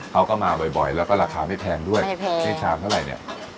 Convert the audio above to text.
เขาก็มาบ่อยบ่อยแล้วก็ราคาไม่แพงด้วยไม่แพงนี่ชามเท่าไรเนี้ย